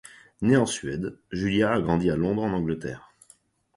Née en Suède, Julia a grandi à Londres en Angleterre.